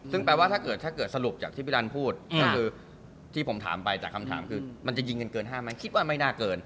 ซึ่งแปลว่าถ้าเกิดถ้าเกิดสรุปจากที่พี่รันพูดก็คือที่ผมถามไปจากคำถามคือมันจะยิงกันเกิน๕ไหมคิดว่าไม่น่าเกิน